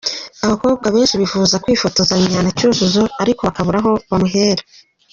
Abakobwa benshi bifuzaga kwifotozanya na Cyuzuzo ariko bakabura aho bamuhera.